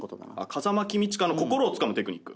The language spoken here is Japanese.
風間公親の心をつかむテクニック。